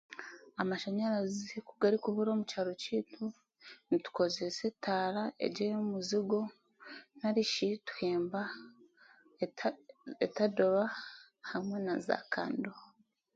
Amashanyarazi ku garikubura omu kyaro kyaitu, nitukoresa etaara egi ey'omuzigo narishi tuhemba etadoba hamwe naza kando